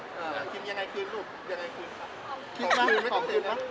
คิดยังไงคืนลูกยังไงคืนค่ะ